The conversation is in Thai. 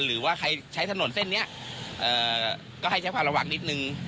หรือว่าใครใช้ถนนเส้นเนี้ยเอ่อก็ให้ใช้ภาพระหวังนิดหนึ่ง